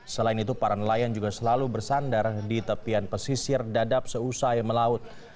selain itu para nelayan juga selalu bersandar di tepian pesisir dadap seusai melaut